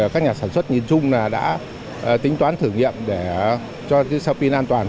các nhà sản xuất nhìn chung đã tính toán thử nghiệm để cho cell pin an toàn